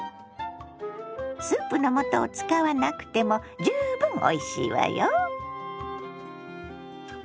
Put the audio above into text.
スープのもとを使わなくても十分おいしいわよ。